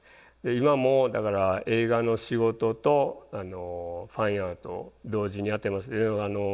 今もだから映画の仕事とファインアート同時にやってます。